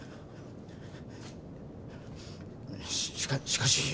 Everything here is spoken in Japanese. しかし。